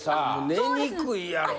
寝にくいやろうし。